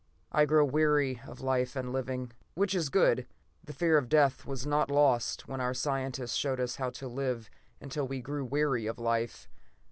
I grow weary of life and living, which is good. The fear of death was lost when our scientists showed us how to live until we grew weary of life.